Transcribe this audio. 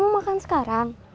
maka mau makan sekarang